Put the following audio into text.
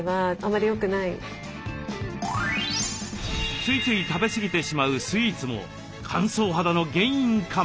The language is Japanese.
ついつい食べすぎてしまうスイーツも乾燥肌の原因かも。